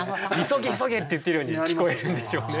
急げ急げ！って言ってるように聞こえるんでしょうね。